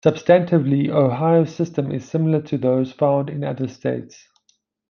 Substantively, Ohio's system is similar to those found in other states.